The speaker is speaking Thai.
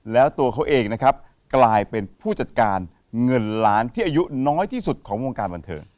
แล้วตัวเขาเองนะครับกลายเป็นผู้จัดการเงินล้านที่อายุน้อยที่สุดของวงการบันเทิง